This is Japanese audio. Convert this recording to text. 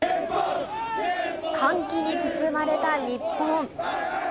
歓喜に包まれた日本。